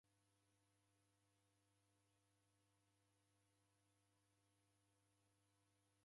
Sikundagha msarigho na mazozo